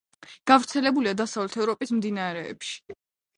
გავრცელებულია დასავლეთ ევროპის მდინარეებში.